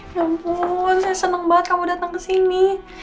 ya ampun saya seneng banget kamu datang kesini